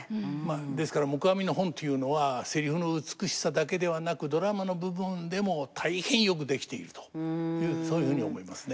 ですから黙阿弥の本というのはセリフの美しさだけではなくドラマの部分でも大変よく出来ているとそういうふうに思いますね。